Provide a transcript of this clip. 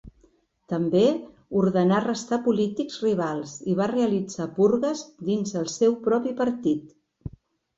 També ordenà arrestar polítics rivals i va realitzar purgues dins en el seu propi partit.